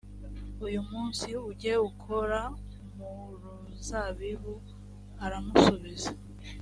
uyu munsi ujye gukora mu ruzabibu aramusubiza